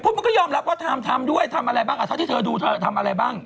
มันก็ยอมรับว่าทำทำด้วยทำอะไรบ้างอ่ะเท่าที่เธอดูเธอทำอะไรบ้าง